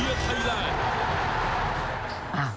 ไทยรักเชื่อไทยรัก